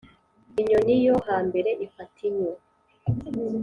inyoni yo hambere ifata inyo